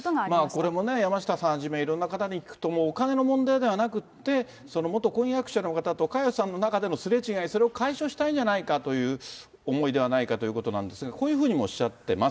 これもね、山下さんはじめ、いろんな人に聞くと、お金の問題ではなくって、元婚約者の方と佳代さんの中でのすれ違い、それを解消したいんじゃないかという思いではないかということなんですが、こういうふうにもおっしゃってます。